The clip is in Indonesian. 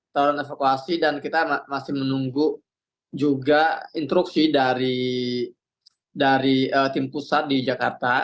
taruhan evakuasi dan kita masih menunggu juga instruksi dari tim pusat di jakarta